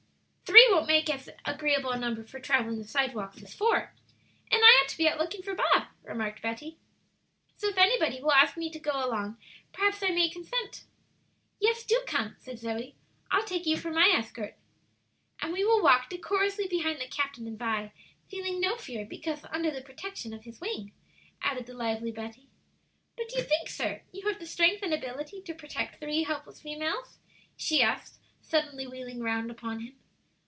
"Three won't make as agreeable a number for travelling the sidewalks as four, and I ought to be looking out for Bob," remarked Betty; "so if anybody will ask me to go along perhaps I may consent." "Yes, do come," said Zoe. "I'll take you for my escort." "And we will walk decorously behind the captain and Vi, feeling no fear because under the protection of his wing," added the lively Betty. "But do you think, sir, you have the strength and ability to protect three helpless females?" she asked, suddenly wheeling round upon him.